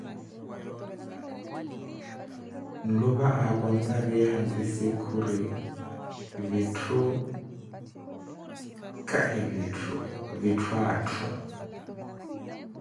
Nlupa akontariye hantisi khuri: vitthu kahi vitthu, vitthu atthu.